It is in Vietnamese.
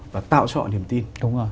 và tạo cho họ niềm tin